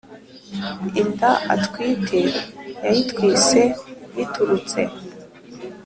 Inda atwite yayitwise biturutse